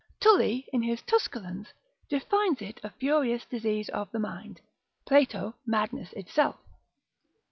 Tully, in his Tusculans, defines it a furious disease of the mind. Plato, madness itself.